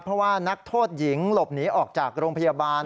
เพราะว่านักโทษหญิงหลบหนีออกจากโรงพยาบาล